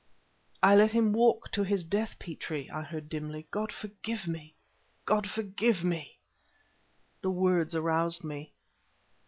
"I let him walk to his death, Petrie," I heard dimly. "God forgive me God forgive me!" The words aroused me.